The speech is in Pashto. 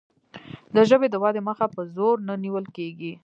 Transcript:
د ژبې د ودې مخه په زور نه نیول کیږي.